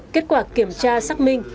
kết quả kiểm tra xác minh